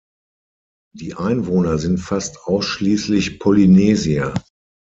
Die Einwohner sind fast ausschließlich Polynesier.